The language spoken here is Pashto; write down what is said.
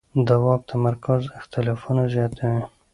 د واک تمرکز اختلافونه زیاتوي